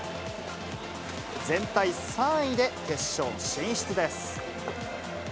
全体３位で決勝進出です。